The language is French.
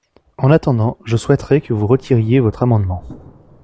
En attendant, je souhaiterais que vous retiriez votre amendement.